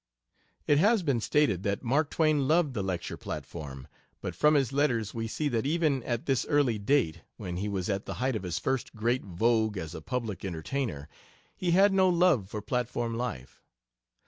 It has been stated that Mark Twain loved the lecture platform, but from his letters we see that even at this early date, when he was at the height of his first great vogue as a public entertainer, he had no love for platform life.